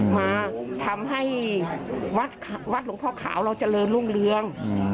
มาทำให้วัดหลวงพ่อขาวเราเจริญรุ่งเรือง